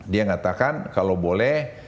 dia ngatakan kalau boleh